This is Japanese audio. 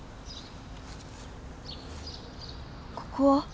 ここは？